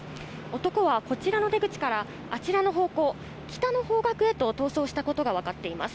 男はこちらの出口から、あちらの方向、北の方角へと逃走したことが分かっています。